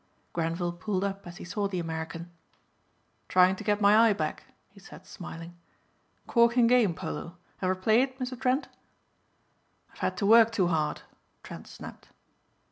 Grenvil pulled up as he saw the American. "Trying to get my eye back," he said smiling. "Corking game, polo, ever play it, Mr. Trent?" "I've had to work too hard," Trent snapped.